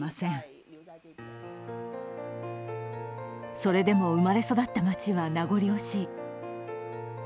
それでも生まれ育った街は名残惜しい。